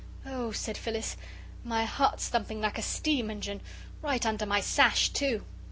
"Oh," said Phyllis, "my heart's thumping like a steam engine right under my sash, too."